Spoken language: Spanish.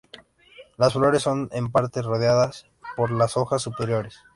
Las flores son en parte rodeadas por las hojas superiores.